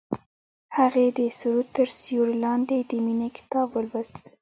هغې د سرود تر سیوري لاندې د مینې کتاب ولوست.